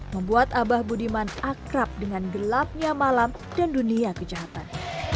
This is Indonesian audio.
membuat abah budiman akrab dengan gelapnya malam dan dunia kejahatan